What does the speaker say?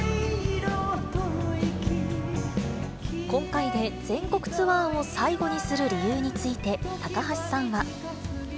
今回で全国ツアーを最後にする理由について、高橋さんは。